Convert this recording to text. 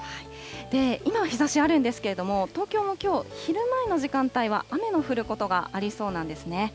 今、日ざしあるんですけど、東京もきょう、昼前の時間帯は雨の降ることがありそうなんですね。